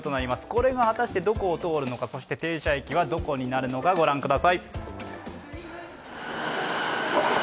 これが果たしてどこを通るのか、そして停車駅はどこになるのか、ご覧ください。